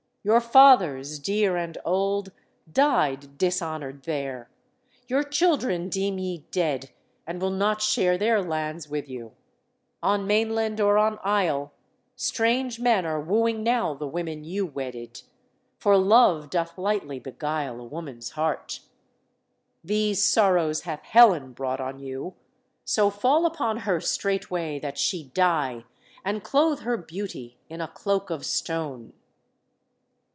Your fathers, dear and old, died dishonored there; your children deem ye dead, and will not share their lands with you; on mainland or on isle, strange men are wooing now the women you wedded. For love doth lightly beguile a woman's heart. "These sorrows hath Helen brought on you. So fall upon her straightway, that she die, and clothe her beauty in a cloak of stone!"